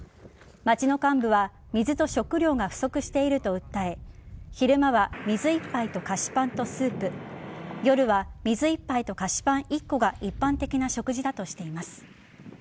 町の幹部は水と食料が不足していると訴え昼間は水１杯と菓子パンとスープ夜は水１杯と菓子パン１個が一般的な食事だとしています。